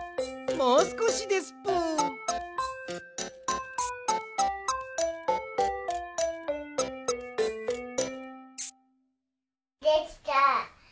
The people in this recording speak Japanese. もうすこしですぷ。できた！